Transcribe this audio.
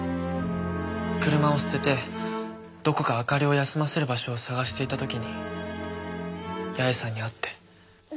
車を捨ててどこか明里を休ませる場所を探していた時に八重さんに会って。